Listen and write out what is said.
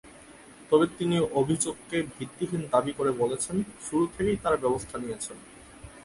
তবে তিনি অভিযোগকে ভিত্তিহীন দাবি করে বলেছেন, শুরু থেকেই তাঁরা ব্যবস্থা নিয়েছেন।